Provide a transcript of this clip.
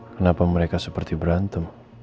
kenapa mereka seperti berantem